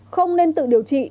không nên tự điều trị